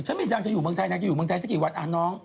ไม่ดังจะอยู่เมืองไทยนางจะอยู่เมืองไทยสักกี่วันน้อง